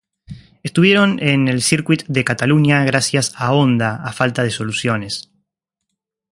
Estuvieron en el Circuit de Catalunya gracias a Honda a falta de soluciones.